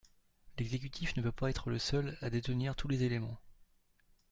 L’exécutif ne peut pas être le seul à détenir tous les éléments.